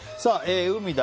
海だ！